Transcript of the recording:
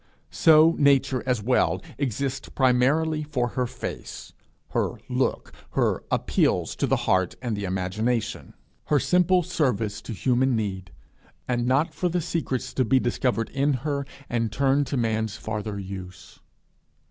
So Nature as well exists primarily for her face, her look, her appeals to the heart and the imagination, her simple service to human need, and not for the secrets to be discovered in her and turned to man's farther use.